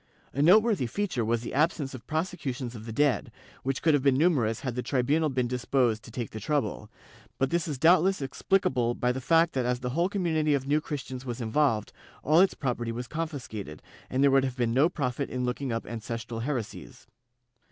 A noteworthy feature was the absence of prosecutions of the dead, which could have been numerous had the tribunal been disposed to take the trouble, but this is doubtless explicable by the fact that as the whole community of New Christians was involved, all its property was confiscated, and there would have been no profit in looking up ancestral heresies.